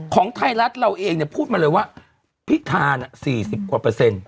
ของไทยรัฐเราเองพูดมาเลยว่าพริกทาน๔๐กว่า